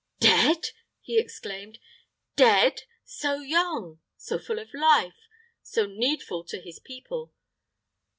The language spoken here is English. "Dead!" he exclaimed. "Dead! So young so full of life so needful to his people.